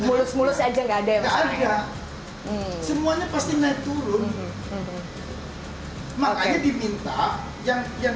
mulus mulus aja enggak ada yang ada semuanya pasti naik turun makanya diminta yang yang